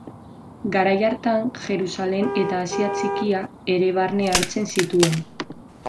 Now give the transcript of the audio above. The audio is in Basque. Garai hartan, Jerusalem eta Asia Txikia ere barne hartzen zituen.